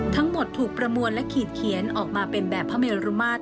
ทั้งหมดถูกประมวลและขีดเขียนออกมาเป็นแบบพระเมรุมาตร